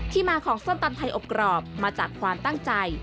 มาของส้มตำไทยอบกรอบมาจากความตั้งใจ